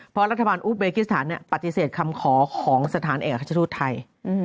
เพราะรัฐบาลอุเบกิสถานปฏิเสธคำขอของสถานเอกราชทูตไทย